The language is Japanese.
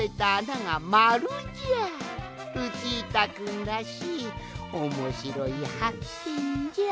ルチータくんらしいおもしろいはっけんじゃ。